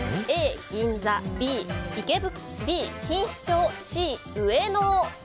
Ａ、銀座Ｂ、錦糸町Ｃ、上野。